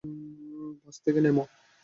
বাস থেকে নামো!